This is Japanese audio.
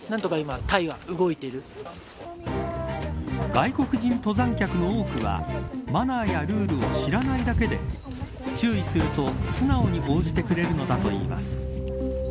外国人登山客の多くはマナーやルールを知らないだけで注意すると素直に応じてくれるのだといいます。